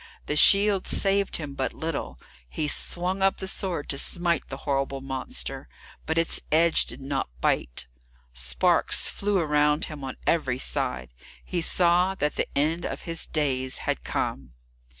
The shield saved him but little; he swung up the sword to smite the horrible monster, but its edge did not bite. Sparks flew around him on every side; he saw that the end of his days had come.